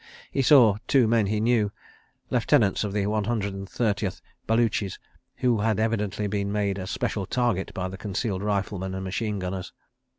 He saw two men he knew, lieutenants of the 130th Baluchis, who had evidently been made a special target by the concealed riflemen and machine gunners.